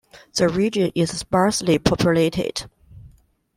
The region is sparsely populated.